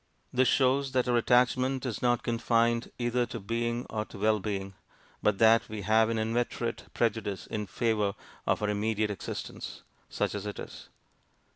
This shows that our attachment is not confined either to being or to well being; but that we have an inveterate prejudice in favour of our immediate existence, such as it is.